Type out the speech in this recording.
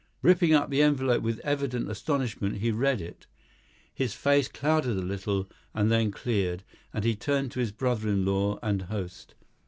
Ripping up the envelope with evident astonishment he read it; his face clouded a little, and then cleared, and he turned to his brother in law and host.